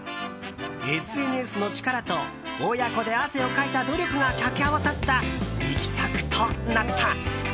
ＳＮＳの力と、親子で汗をかいた努力がかけ合わさった力作となった。